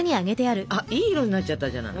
あっいい色になっちゃったじゃない。